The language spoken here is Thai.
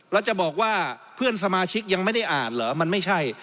แล้วจะบอกว่าเพื่อนสมาชิกยังไม่ได้อ่านเหรอมันไม่ใช่